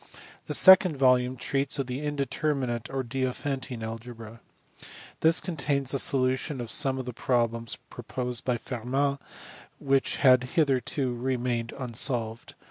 The second volume treats of indeterminate or Diophantine algebra. This contains the solutions of some of the problems proposed by Fermat, and which had hitherto remained unsolved.